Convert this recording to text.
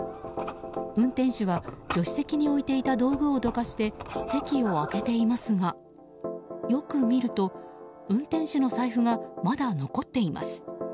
運転手は、助手席に置いていた道具をどかして席を空けていますがよく見ると運転手の財布がまだ残っています。